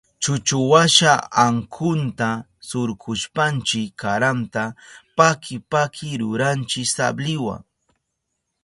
Chuchuwasha ankunta surkushpanchi karanta paki paki ruranchi sabliwa.